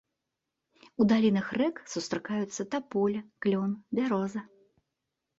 У далінах рэк сустракаюцца таполя, клён, бяроза.